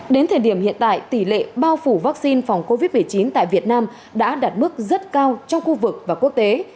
đến thời điểm hiện tại tỷ lệ bao phủ vaccine phòng covid một mươi chín tại việt nam đã đạt mức rất cao trong khu vực và quốc tế